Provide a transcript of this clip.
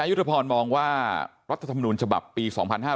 อยุฒิพรมองว่ารัฐธรรมดุลฉบับปี๒๕๖๐